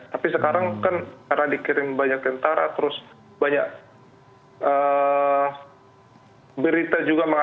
tapi sekarang kan karena dikirim banyak tentara terus banyak berita juga